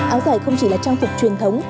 áo giải không chỉ là trang phục truyền thống